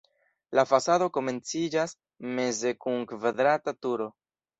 La fasado komenciĝas meze kun kvadrata turo.